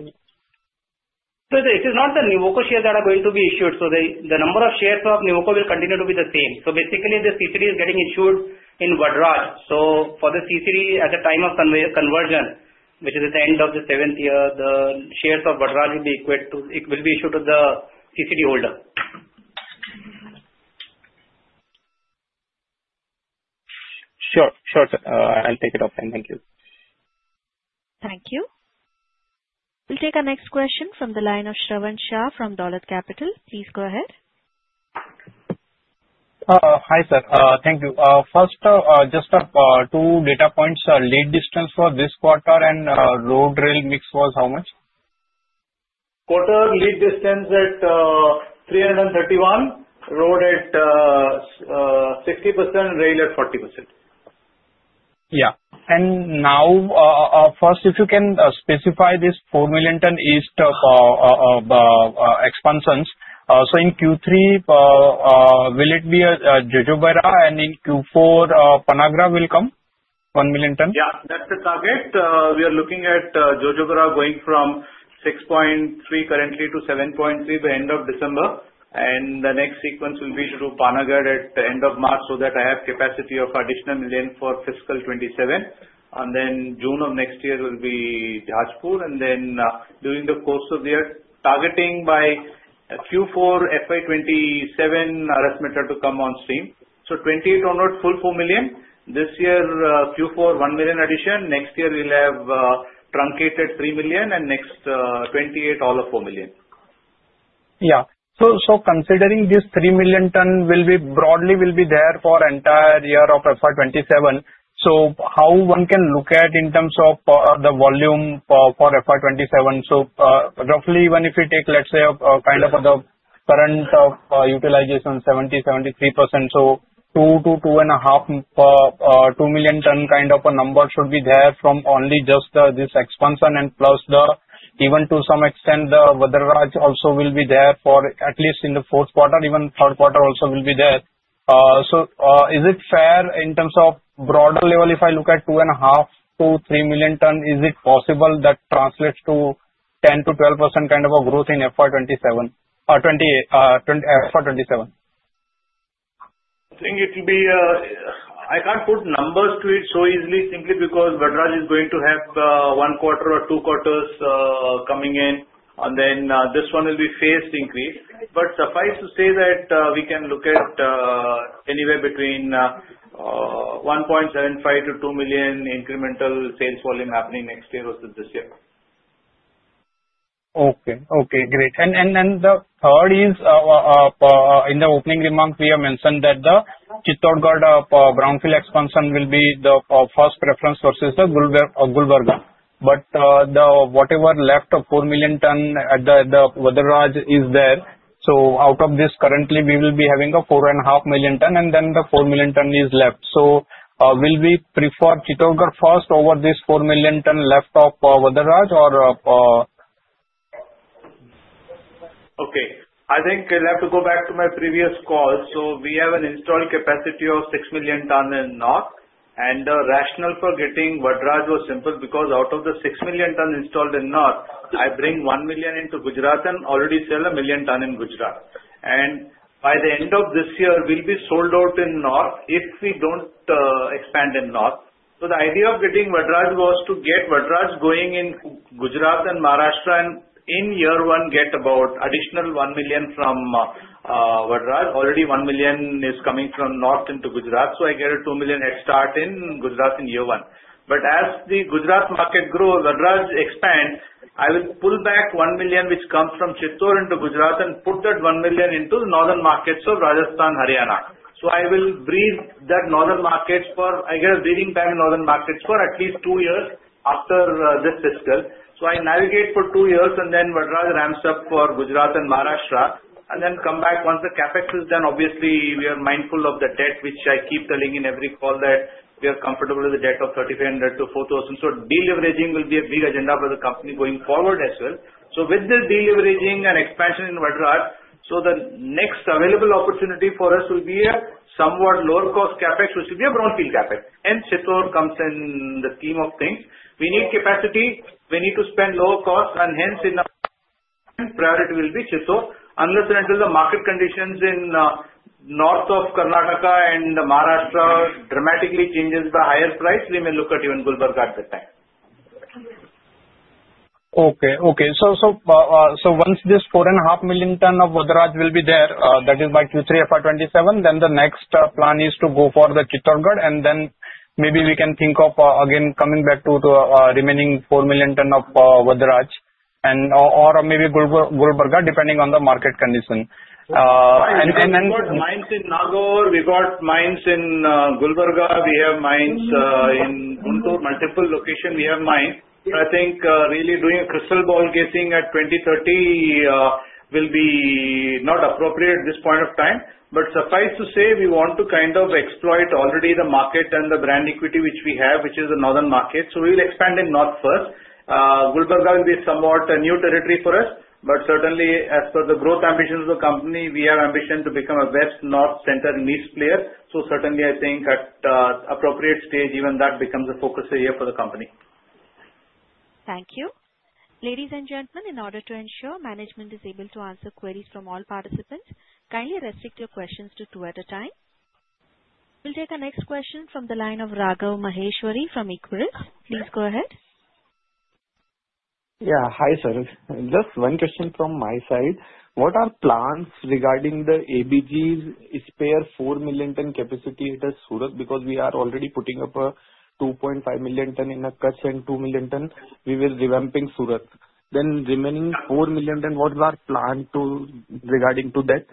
Speaker 10: It is not the Nuvoco shares that are going to be issued. The number of shares of Nuvoco will continue to be the same. Basically, the CCD is getting issued in Vadraj. For the CCD at the time of conversion, which is at the end of the seventh year, the shares of Vadraj will be equal to it will be issued to the CCD holder.
Speaker 9: Sure. Sure, sir. I'll take it offline. Thank you.
Speaker 1: Thank you. We'll take our next question from the line of Shravan Shah from Dolat Capital. Please go ahead.
Speaker 11: Hi, sir. Thank you. First, just two data points. Lead distance for this quarter and road-rail mix was how much?
Speaker 4: Quarter lead distance at 331, road at 60%, rail at 40%.
Speaker 11: Yeah. And now, first, if you can specify this 4 million ton East expansions. So in Q3, will it be Jojobera, and in Q4, Panagarh will come 1 million ton?
Speaker 4: Yeah. That's the target. We are looking at Jojobera going from 6.3 currently to 7.3 by end of December. And the next sequence will be to Panagarh at the end of March so that I have capacity of additional million for fiscal 27. And then June of next year will be Jajpur, and then during the course of the year, targeting by Q4 FY 2027 Arasmeta to come on stream. So 28 onward, full 4 million. This year, Q4 one million addition. Next year, we'll have truncated 3 million, and next 28, all of 4 million.
Speaker 11: Yeah. So considering this 3 million ton will be broadly there for entire year of FY 2027, so how one can look at in terms of the volume for FY 2027? So roughly, even if you take, let's say, kind of the current utilization 70%-73%, so 2 to 2 and a half, 2 million ton kind of a number should be there from only just this expansion and plus the even to some extent, the Vadraj also will be there for at least in the fourth quarter. Even third quarter also will be there. So is it fair in terms of broader level? If I look at 2 and a half to 3 million ton, is it possible that translates to 10%-12% kind of a growth in FY 2027?
Speaker 4: I think it will be. I can't put numbers to it so easily simply because Vadraj is going to have one quarter or two quarters coming in, and then this one will be phased increase. But suffice to say that we can look at anywhere between 1.75-2 million incremental sales volume happening next year versus this year.
Speaker 11: Okay. Great. And then the third is in the opening remarks, we have mentioned that the Chittorgarh brownfield expansion will be the first preference versus the Gulbarga. But whatever left of four million tons at the Vadraj is there. So out of this, currently, we will be having four and a half million tons, and then the four million tons is left. So will we prefer Chittorgarh first over this four million tons left of Vadraj or?
Speaker 4: Okay. I think I'll have to go back to my previous call, so we have an installed capacity of six million tons in North, and the rationale for getting Vadraj was simple because out of the six million tons installed in North, I bring one million into Gujarat and already sell one million tons in Gujarat. And by the end of this year, we'll be sold out in North if we don't expand in North, so the idea of getting Vadraj was to get Vadraj going in Gujarat and Maharashtra and in year one, get about additional one million from Vadraj. Already one million is coming from North into Gujarat, so I get a two million head start in Gujarat in year one. But as the Gujarat market grows, Vadraj expands, I will pull back 1 million which comes from Chittorgarh into Gujarat and put that 1 million into the northern markets of Rajasthan, Haryana. So I will breathe that northern markets for I get a breathing time in northern markets for at least two years after this fiscal. So I navigate for two years, and then Vadraj ramps up for Gujarat and Maharashtra. And then come back once the CapEx is done, obviously, we are mindful of the debt, which I keep telling in every call that we are comfortable with the debt of 3,500 crore-4,000 crore. So deleveraging will be a big agenda for the company going forward as well. So with the deleveraging and expansion in Vadraj, so the next available opportunity for us will be a somewhat lower cost CapEx, which will be a brownfield CapEx. Hence, Chittorgarh comes in the scheme of things. We need capacity. We need to spend lower cost, and hence, priority will be Chittor. Unless and until the market conditions in North of Karnataka and Maharashtra dramatically changes the higher price, we may look at even Gulbarga at that time.
Speaker 11: Okay. So once this 4.5 million tons of Vadraj will be there, that is by Q3 FY 2027, then the next plan is to go for the Chittorgarh, and then maybe we can think of again coming back to the remaining 4 million tons of Vadraj or maybe Gulbarga, depending on the market condition.
Speaker 4: We've got mines in Nagaur. We've got mines in Gulbarga. We have mines in Guntur, multiple locations we have mines. I think really doing a crystal ball guessing at 2030 will be not appropriate at this point of time. But suffice to say, we want to kind of exploit already the market and the brand equity which we have, which is the northern market. So we will expand in North first. Gulbarga will be somewhat a new territory for us. But certainly, as per the growth ambitions of the company, we have ambition to become a best North-centric niche player. So certainly, I think at appropriate stage, even that becomes a focus area for the company.
Speaker 1: Thank you. Ladies and gentlemen, in order to ensure management is able to answer queries from all participants, kindly restrict your questions to two at a time. We'll take our next question from the line of Raghav Maheshwari from Equirus. Please go ahead.
Speaker 12: Yeah. Hi, sir. Just one question from my side. What are plans regarding the ABG's spare 4 million ton capacity at Surat? Because we are already putting up a 2.5 million ton in a Kutch and 2 million ton. We will revamp in Surat. Then remaining 4 million, then what are our plans regarding to that?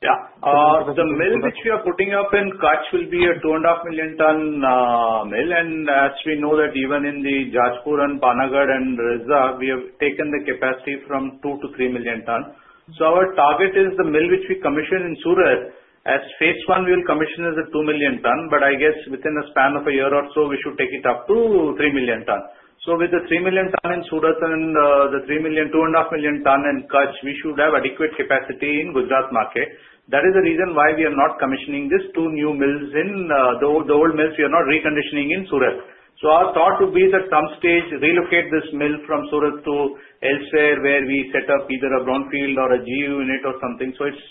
Speaker 4: Yeah. The mill which we are putting up in Kutch will be a 2.5 million-ton mill. And as we know that even in the Jajpur and Panagarh and Risda, we have taken the capacity from 2-3 million tons. So our target is the mill which we commission in Surat. As phase I, we will commission as a 2 million tons. But I guess within the span of a year or so, we should take it up to 3 million tons. So with the 3 million tons in Surat and the 2.5 million tons in Kutch, we should have adequate capacity in Gujarat market. That is the reason why we are not commissioning these two new mills in the old mills we are not reconditioning in Surat. So, our thought would be that at some stage we relocate this mill from Surat to elsewhere where we set up either a brownfield or a GU unit or something. So it's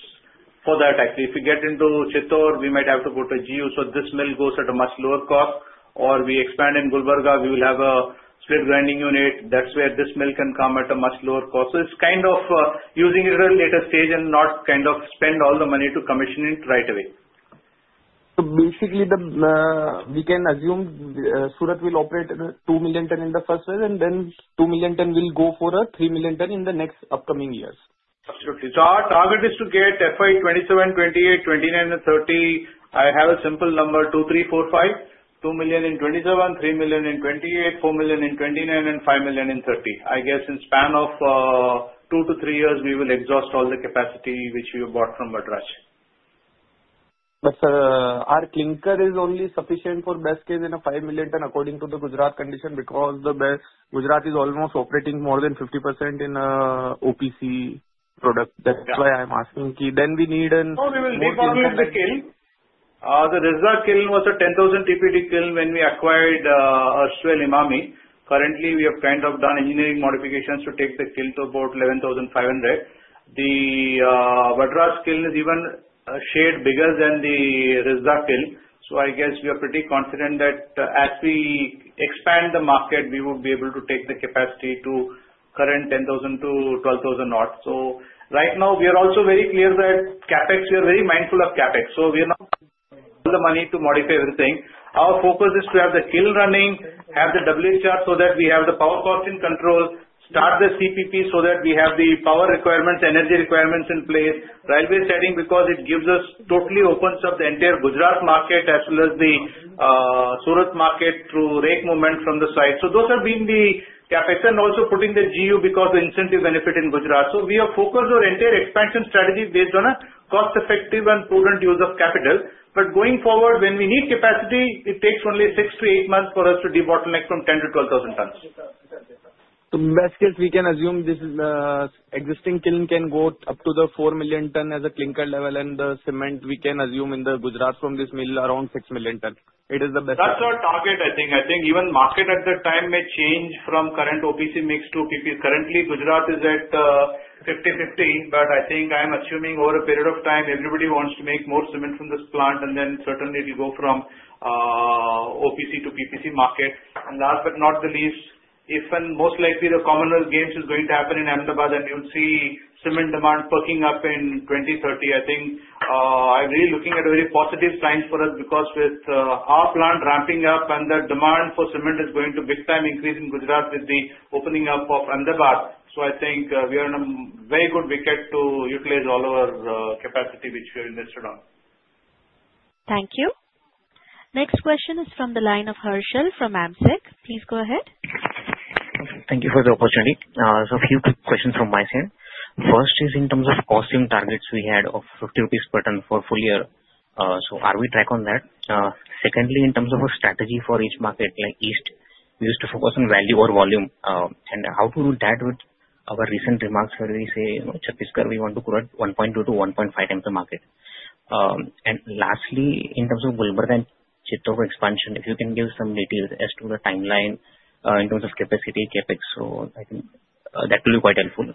Speaker 4: for that actually. If we get into Chittor, we might have to go to GU. So this mill goes at a much lower cost. Or we expand in Gulbarga, we will have a split grinding unit. That's where this mill can come at a much lower cost. So it's kind of using it at a later stage and not kind of spend all the money to commission it right away.
Speaker 12: Basically, we can assume Surat will operate two million tons in the first phase, and then two million tons will go for a three million tons in the next upcoming years.
Speaker 4: Absolutely. So our target is to get FY 2027, FY 2028, FY 2029, and FY 2030. I have a simple number: 2, 3, 4, 5. 2 million in FY 2027, 3 million in FY28, 4 million in FY29, and 5 million in FY30. I guess in a span of two to three years, we will exhaust all the capacity which we have bought from Vadraj.
Speaker 12: But sir, our clinker is only sufficient for best case in a five million ton according to the Gujarat condition because Gujarat is almost operating more than 50% in OPC product. That's why I'm asking key. Then we need an.
Speaker 4: No, we will take down the kiln. The Risda kiln was a 10,000 TPD kiln when we acquired Emami. Currently, we have kind of done engineering modifications to take the kiln to about 11,500. The Vadraj kiln is even a shade bigger than the Risda kiln. So I guess we are pretty confident that as we expand the market, we will be able to take the capacity to current 10,000 to 12,000 tonnes. So right now, we are also very clear that CapEx, we are very mindful of CapEx. So we are not. The money to modify everything. Our focus is to have the kiln running, have the WHR so that we have the power cost in control, start the CPP so that we have the power requirements, energy requirements in place, railway siding because it gives us totally opens up the entire Gujarat market as well as the Surat market through rake movement from the side. So those have been the CapEx and also putting the GU because of the incentive benefit in Gujarat. So we are focused on entire expansion strategy based on a cost-effective and prudent use of capital. But going forward, when we need capacity, it takes only 6-8 months for us to debottleneck from 10,000-12,000 tons.
Speaker 12: Best case, we can assume this existing kiln can go up to 4 million tons as a clinker level, and the cement we can assume in Gujarat from this mill around 6 million tons. It is the best.
Speaker 4: That's our target, I think. I think even market at the time may change from current OPC mix to PPC. Currently, Gujarat is at 50%-50%, but I think I'm assuming over a period of time, everybody wants to make more cement from this plant, and then certainly it will go from OPC to PPC market, and last but not the least, if and most likely the Commonwealth Games is going to happen in Ahmedabad, and you'll see cement demand perking up in 2030, I think I'm really looking at very positive signs for us because with our plant ramping up and the demand for cement is going to big time increase in Gujarat with the opening up of Ahmedabad. So I think we are in a very good wicket to utilize all our capacity which we are invested on.
Speaker 1: Thank you. Next question is from the line of Harshal from AMSEC. Please go ahead.
Speaker 13: Thank you for the opportunity. So a few quick questions from my side. First is in terms of costing targets we had of 50 rupees per ton for full year. So are we on track on that? Secondly, in terms of a strategy for each market like East, we used to focus on value or volume. And how to do that with our recent remarks where we say Chhattisgarh, we want to grow at 1.2-1.5x the market. And lastly, in terms of Gulbarga and Chittorgarh expansion, if you can give some details as to the timeline in terms of capacity, CapEx, so I think that will be quite helpful.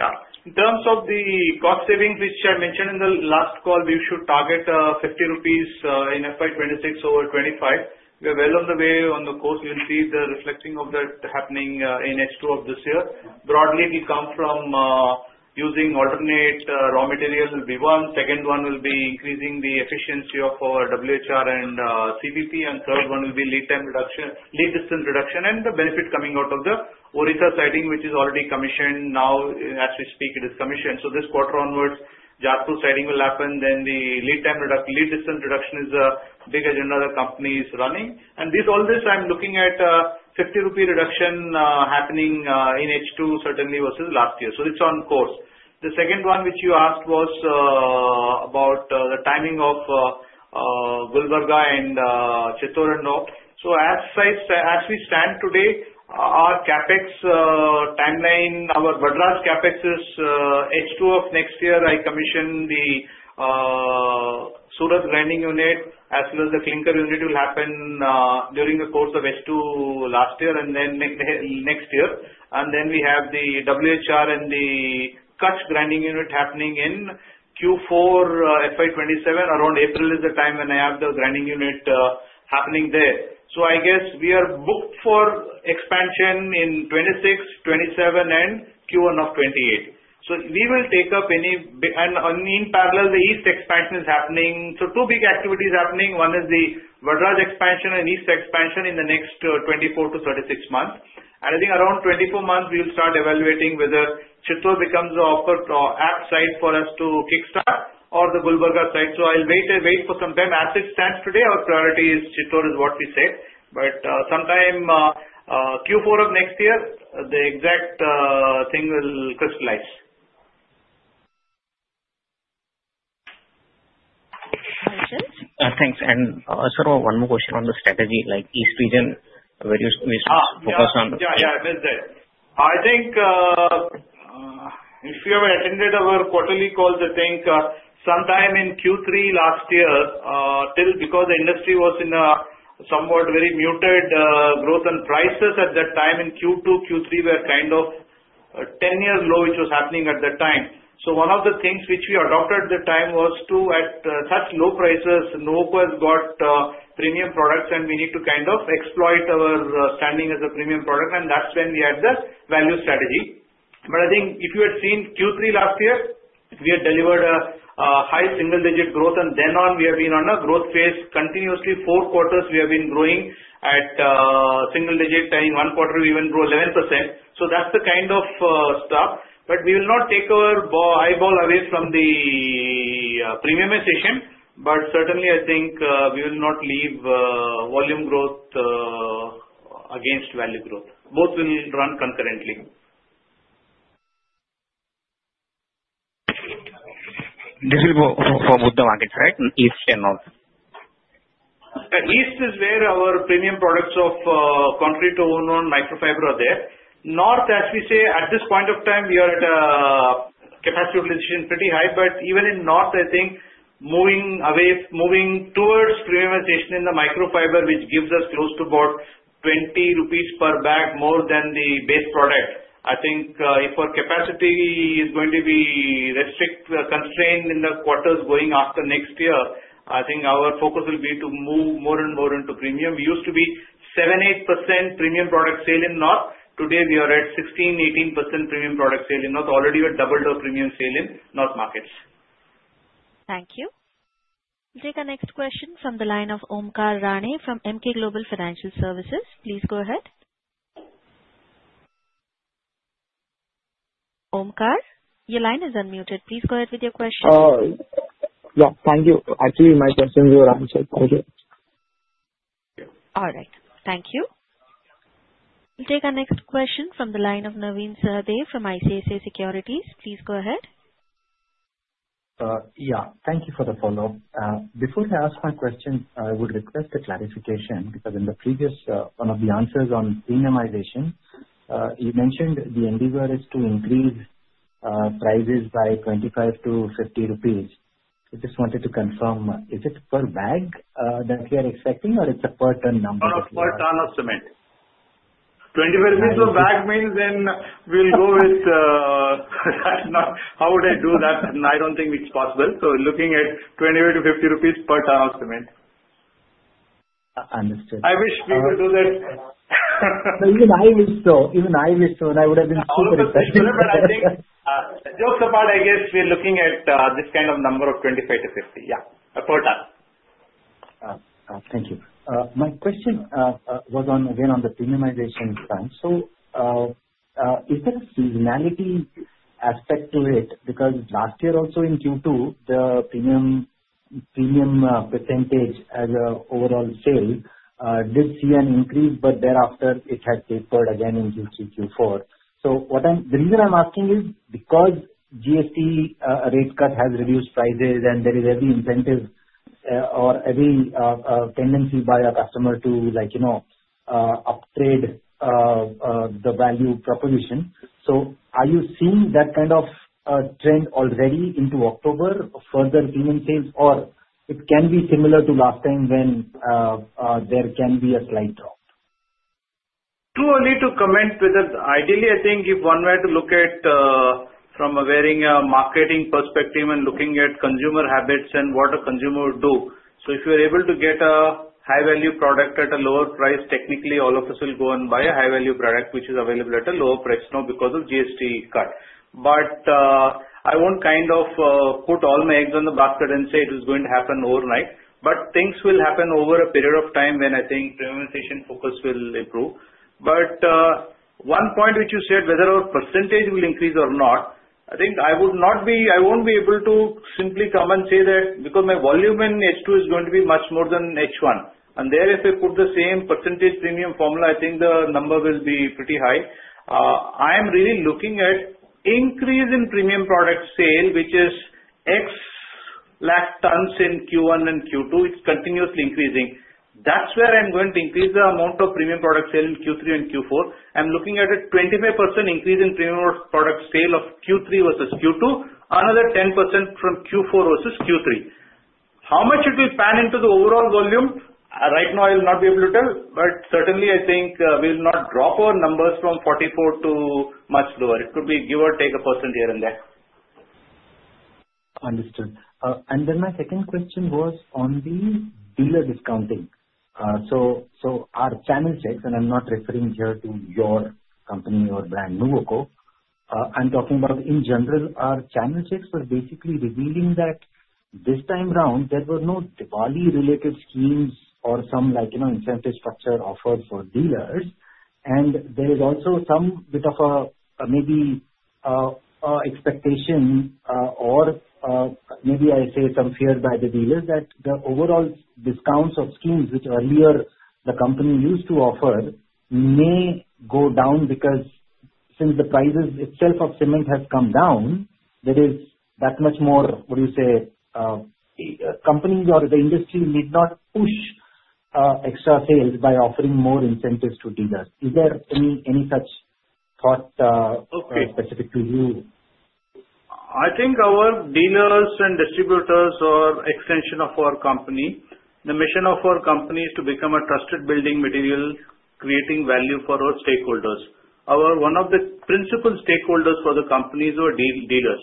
Speaker 4: Yeah. In terms of the cost savings which I mentioned in the last call, we should target 50 rupees in FY 2026 over FY 2025. We are well on the way on the course. You'll see the reflecting of that happening in H2 of this year. Broadly, it will come from using alternate raw material will be one. Second one will be increasing the efficiency of our WHR and CPP, and third one will be lead time reduction, lead distance reduction, and the benefit coming out of the Odisha siding which is already commissioned now. As we speak, it is commissioned. So this quarter onwards, Jajpur siding will happen. Then the lead time reduction, lead distance reduction is a big agenda the company is running. And all this, I'm looking at 50 rupee reduction happening in H2 certainly versus last year. So it's on course. The second one which you asked was about the timing of Gulbarga and Chittorgarh and North. As we stand today, our CapEx timeline, our Vadraj CapEx is H2 of next year. Commissioning the Surat grinding unit as well as the clinker unit will happen during the course of H2 next year. Then we have the WHR and the Kutch grinding unit happening in Q4 FY 2027. Around April is the time when the grinding unit happens there. We are booked for expansion in 26, 27, and Q1 of 28. We will take up any, and in parallel, the East expansion is happening. Two big activities are happening. One is the Vadraj expansion and East expansion in the next 24-36 months. And I think around 24 months, we will start evaluating whether Chittor becomes an apt site for us to kickstart or the Gulbarga site. So I'll wait for some time. As it stands today, our priority is Chittor is what we said. But sometime Q4 of next year, the exact thing will crystallize.
Speaker 1: Harshal?
Speaker 13: Thanks. Sir, one more question on the strategy. Like, East region, where you focus on?
Speaker 4: Yeah. Yeah. I missed that. I think if you have attended our quarterly calls, I think sometime in Q3 last year, because the industry was in a somewhat very muted growth and prices at that time in Q2, Q3 were kind of 10-year low which was happening at that time. So one of the things which we adopted at the time was to, at such low prices, no one has got premium products, and we need to kind of exploit our standing as a premium product. And that's when we had the value strategy. But I think if you had seen Q3 last year, we had delivered a high single-digit growth, and then on, we have been on a growth phase continuously. Four quarters, we have been growing at single-digit time. One quarter, we even grew 11%. So that's the kind of stuff. But we will not take our eyeball away from the premiumization. But certainly, I think we will not leave volume growth against value growth. Both will run concurrently.
Speaker 13: This is for both the markets, right? East and North?
Speaker 4: East is where our premium products of Concreto Uno Microfiber are there. North, as we say, at this point of time, we are at a capacity utilization pretty high. But even in North, I think moving towards premiumization in the microfiber, which gives us close to about 20 rupees per bag more than the base product. I think if our capacity is going to be constrained in the quarters going after next year, I think our focus will be to move more and more into premium. We used to be 7%-8% premium product sale in North. Today, we are at 16%-18% premium product sale in North. Already, we are doubled our premium sale in North markets.
Speaker 1: Thank you. We'll take our next question from the line of Omkar Rane from Emkay Global Financial Services. Please go ahead. Omkar, your line is unmuted. Please go ahead with your question.
Speaker 14: Yeah. Thank you. Actually, my question was answered. Thank you.
Speaker 1: All right. Thank you. We'll take our next question from the line of Naveen Sahadeo from ICICI Securities. Please go ahead.
Speaker 3: Yeah. Thank you for the follow-up. Before I ask my question, I would request a clarification because in the previous one of the answers on premiumization, you mentioned the endeavor is to increase prices by 25-50 rupees. I just wanted to confirm, is it per bag that we are expecting, or it's a per ton number?
Speaker 4: Per ton of cement. 25 rupees per bag means then we'll go with that. How would I do that? I don't think it's possible. So looking at 25-50 rupees per ton of cement.
Speaker 3: Understood.
Speaker 4: I wish we could do that.
Speaker 3: Even I wish so. Even I wish so. And I would have been super excited.
Speaker 4: But I think jokes apart, I guess we're looking at this kind of number of 25-50. Yeah. Per ton.
Speaker 3: Thank you. My question was again on the premiumization plan. So is there a seasonality aspect to it? Because last year also in Q2, the premium percentage as an overall sale did see an increase, but thereafter, it had tapered again into Q3, Q4. So the reason I'm asking is because GST rate cut has reduced prices, and there is every incentive or every tendency by our customer to upgrade the value proposition. So are you seeing that kind of trend already into October, further premium sales, or it can be similar to last time when there can be a slight drop?
Speaker 4: Too early to comment. Ideally, I think if one were to look at from a marketing perspective and looking at consumer habits and what a consumer would do. So if you're able to get a high-value product at a lower price, technically, all of us will go and buy a high-value product which is available at a lower price because of GST cut. But I won't kind of put all my eggs in the basket and say it is going to happen overnight. But things will happen over a period of time when I think premiumization focus will improve. But one point which you said, whether our percentage will increase or not, I think I won't be able to simply come and say that because my volume in H2 is going to be much more than H1. There, if we put the same percentage premium formula, I think the number will be pretty high. I am really looking at increase in premium product sale, which is X lakh tons in Q1 and Q2. It's continuously increasing. That's where I'm going to increase the amount of premium product sale in Q3 and Q4. I'm looking at a 25% increase in premium product sale of Q3 versus Q2, another 10% from Q4 versus Q3. How much it will pan into the overall volume, right now, I will not be able to tell. But certainly, I think we will not drop our numbers from 44 to much lower. It could be give or take a % here and there.
Speaker 3: Understood. And then my second question was on the dealer discounting. So our channel checks, and I'm not referring here to your company or brand, Nuvoco. I'm talking about in general, our channel checks were basically revealing that this time around, there were no Diwali-related schemes or some incentive structure offered for dealers. And there is also some bit of a maybe expectation or maybe I say some fear by the dealers that the overall discounts of schemes which earlier the company used to offer may go down because since the prices itself of cement have come down, there is that much more, what do you say, companies or the industry need not push extra sales by offering more incentives to dealers. Is there any such thought specific to you?
Speaker 4: I think our dealers and distributors are extension of our company. The mission of our company is to become a trusted building material, creating value for our stakeholders. One of the principal stakeholders for the companies are dealers.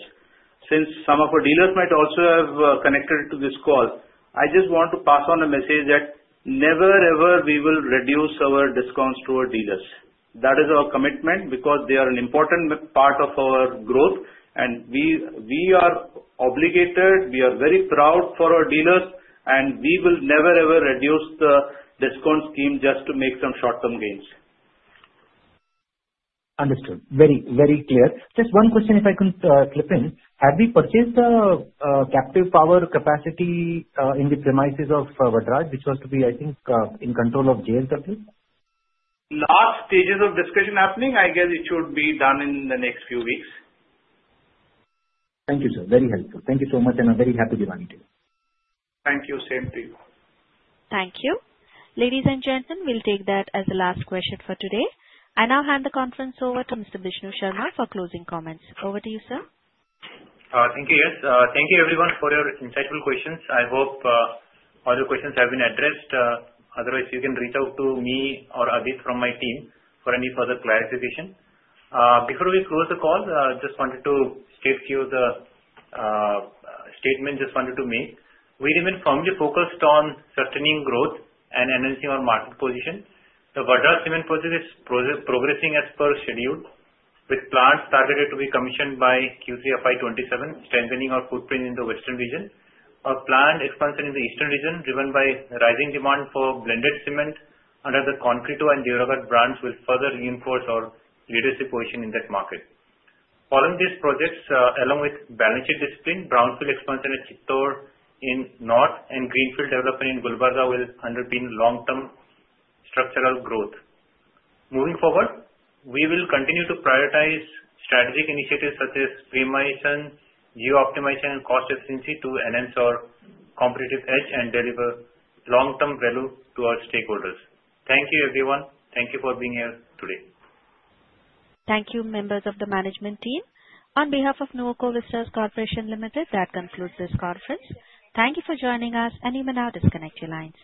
Speaker 4: Since some of our dealers might also have connected to this call, I just want to pass on a message that never, ever we will reduce our discounts to our dealers. That is our commitment because they are an important part of our growth, and we are obligated. We are very proud for our dealers, and we will never, ever reduce the discount scheme just to make some short-term gains.
Speaker 3: Understood. Very, very clear. Just one question, if I can chime in. Have we purchased the captive power capacity in the premises of Vadraj, which was to be, I think, in control of JSW?
Speaker 4: Last stages of discussion happening. I guess it should be done in the next few weeks.
Speaker 3: Thank you, sir. Very helpful. Thank you so much, and I'm very happy to be running today.
Speaker 4: Thank you. Same to you.
Speaker 1: Thank you. Ladies and gentlemen, we'll take that as the last question for today. I now hand the conference over to Mr. Bishnu Sharma for closing comments. Over to you, sir.
Speaker 2: Thank you, yes. Thank you, everyone, for your insightful questions. I hope all your questions have been addressed. Otherwise, you can reach out to me or Adit from my team for any further clarification. Before we close the call, I just wanted to state to you the statement just wanted to make. We remain firmly focused on sustaining growth and enhancing our market position. The Vadraj Cement project is progressing as per schedule, with plans targeted to be commissioned by Q3 FY 2027, strengthening our footprint in the western region. Our planned expansion in the Eastern region, driven by rising demand for blended cement under the Concreto and Duraguard brands, will further reinforce our leadership position in that market. Following these projects, along with balanced discipline, brownfield expansion at Chittor in North and greenfield development in Gulbarga will underpin long-term structural growth. Moving forward, we will continue to prioritize strategic initiatives such as premiumization, geo-optimization, and cost efficiency to enhance our competitive edge and deliver long-term value to our stakeholders. Thank you, everyone. Thank you for being here today.
Speaker 1: Thank you, members of the management team. On behalf of Nuvoco Vistas Corporation Limited, that concludes this conference. Thank you for joining us, and you may now disconnect your lines.